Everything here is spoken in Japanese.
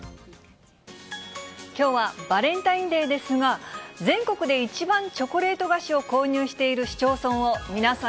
きょうはバレンタインデーですが、全国で一番チョコレート菓子を購入している市町村を皆さん